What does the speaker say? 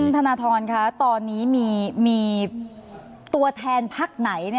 ธนทรคะตอนนี้มีตัวแทนพักไหน